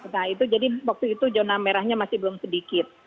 nah itu jadi waktu itu zona merahnya masih belum sedikit